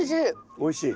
おいしい？